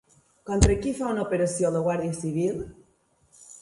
Contra qui fa una operació la Guàrdia Civil?